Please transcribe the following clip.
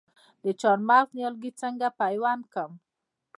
د چهارمغز نیالګي څنګه پیوند کړم؟